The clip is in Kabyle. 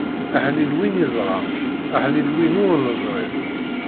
Aḥlil win iẓran, aḥlil win ur neẓri.